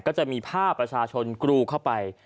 ก็จะมีภาพประชาชนกรูเข้าไป